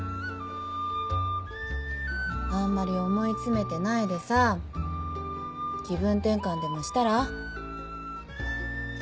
あんまり思い詰めてないでさ気分転換でもしたら？